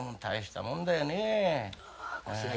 大したもんだよね。